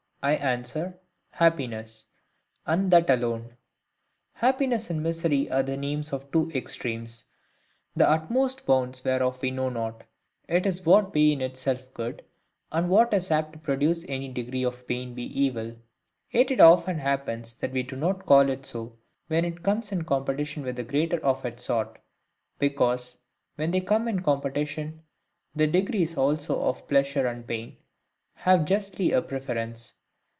I answer,—happiness, and that alone. Happiness and misery are the names of two extremes, the utmost bounds whereof we know not; it is what be in itself good; and what is apt to produce any degree of pain be evil; yet it often happens that we do not call it so when it comes in competition with a greater of its sort; because, when they come in competition, the degrees also of pleasure and pain have justly a preference.